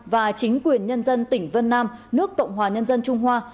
và chính quyền nhân dân tỉnh vân nam nước cộng hòa nhân dân trung hoa